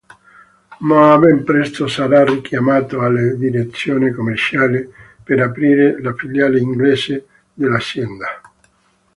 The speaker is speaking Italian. Ma ben presto sarà richiamato alla direzione commerciale, per aprire la filiale inglese dell'azienda.